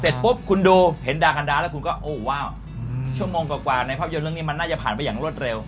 ปุ๊บคุณดูเห็นดากันดาแล้วคุณก็โอ้ว้าวชั่วโมงกว่าในภาพยนตร์เรื่องนี้มันน่าจะผ่านไปอย่างรวดเร็ว